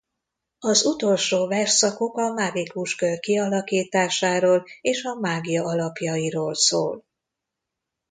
Az utolsó versszakok a mágikus kör kialakításáról és a mágia alapjairól szól.